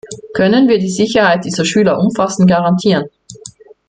Können wir die Sicherheit dieser Schüler umfassend garantieren?